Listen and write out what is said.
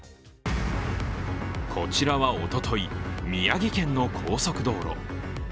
こちらはおととい、宮城県の高速道路。